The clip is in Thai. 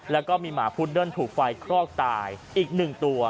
แล้วก็มีหมาพุดเดิ้ลถูกไฟคลอกตายอีก๑ตัว